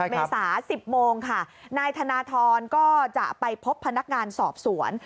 เมษา๑๐โมงค่ะนายธนทรก็จะไปพบพนักงานสอบสวน